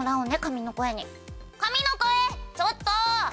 ちょっと！